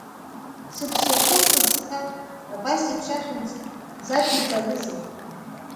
Сыԥсы иахылҵыз сԥа абасеиԥш ахьымӡӷ ҳзаҵеиҵарызеи…